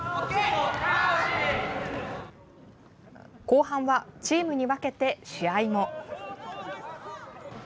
後半はチームに分けて試合も。